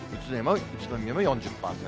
宇都宮も４０％。